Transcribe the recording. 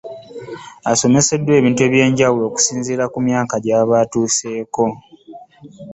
Asomesebwa ebintu eby’enjawulo okusinziira ku myaka gy’aba atuuseeko.